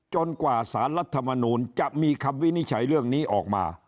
กว่าสารรัฐมนูลจะมีคำวินิจฉัยเรื่องนี้ออกมา